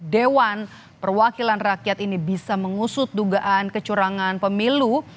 dewan perwakilan rakyat ini bisa mengusut dugaan kecurangan pemilu